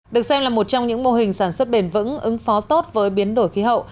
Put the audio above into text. được xem là một trong những mô hình sản xuất bền vững ứng phó tốt với biến đổi khí hậu